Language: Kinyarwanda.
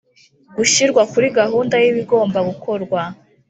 gushyirwa kuri gahunda y ibigomba gukorwa